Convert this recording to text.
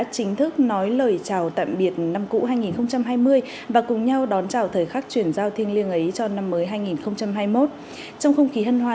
chúc mừng năm mới chúc mừng năm mới